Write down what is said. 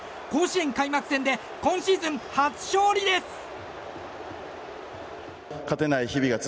甲子園開幕戦で今シーズン初勝利です。